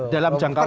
dalam jangka waktu